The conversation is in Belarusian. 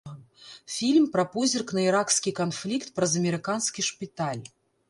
Фільм пра позірк на іракскі канфлікт праз амерыканскі шпіталь.